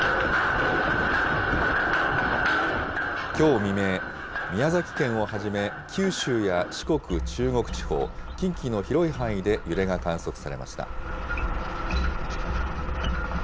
きょう未明、宮崎県をはじめ九州や四国、中国地方、近畿の広い範囲で揺れが観測されました。